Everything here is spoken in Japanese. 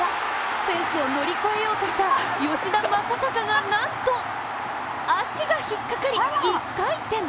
フェンスを乗り越えようとした吉田正尚がなんと、足が引っ掛かり、１回転。